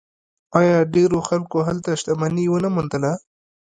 آیا ډیرو خلکو هلته شتمني ونه موندله؟